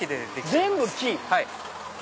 全部木！